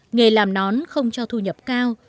nghề làm nón không cho thu nhập cao